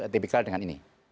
tipikal dengan ini